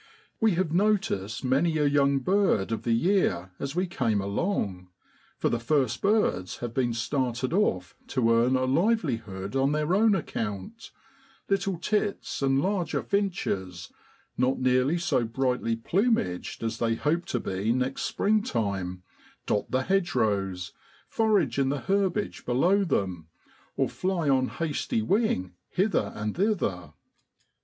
We have JUNE IN BHOADLAND. 59 noticed many a young bird of the year as we came along for the first birds have been started off to earn a livelihood on their own account little tits and larger finches, not nearly so brightly plumaged as they hope to be next springtime, dot the hedgerows, forage in the herbage below them, or fly on hasty wing hither and thither.